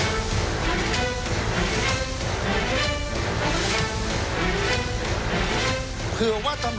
สวัสดีครับคุณผู้ชมค่ะต้อนรับเข้าที่วิทยาลัยศาสตร์